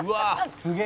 「すげえ！」